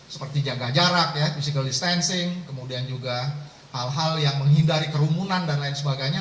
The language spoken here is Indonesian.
seperti jaga jarak ya physical distancing kemudian juga hal hal yang menghindari kerumunan dan lain sebagainya